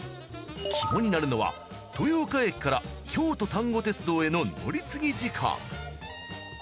肝になるのは豊岡駅から京都丹後鉄道への乗り継ぎ時間。